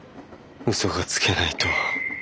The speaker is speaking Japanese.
嘘がつけないと。